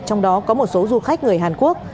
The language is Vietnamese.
trong đó có một số du khách người hàn quốc